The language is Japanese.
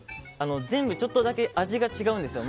全部ちょっとだけ味が違うんですよ